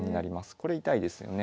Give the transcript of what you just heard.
これ痛いですよね。